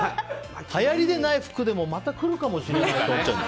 はやりでない服にもまた来るかもしれないって思っちゃう。